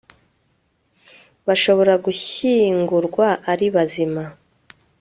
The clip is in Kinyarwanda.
bashobora gushyingurwa ari bazima